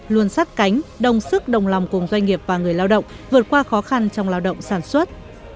luôn sát cánh đồng sức đồng lòng cùng doanh nghiệp và người lao động vượt qua khó khăn trong lao động sản xuất